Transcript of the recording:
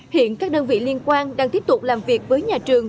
hiện các đơn vị liên quan đang tiếp tục làm việc với nhà trường